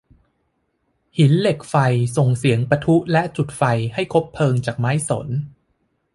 หินเหล็กไฟส่งเสียงปะทุและจุดไฟให้คบเพลิงจากไม้สน